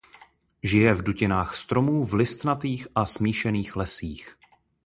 Žije v dutinách stromů v listnatých a smíšených lesích.